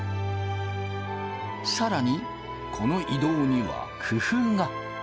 更にこの移動には工夫が。